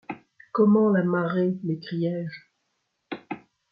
Comment, la marée ! m’écriai-je.